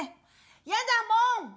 やだもん！